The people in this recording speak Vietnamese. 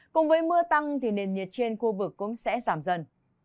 cùng với mưa tăng thì nền nhiệt trên khu vực cũng sẽ giảm dần